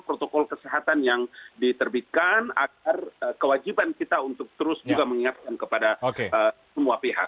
protokol kesehatan yang diterbitkan agar kewajiban kita untuk terus juga mengingatkan kepada semua pihak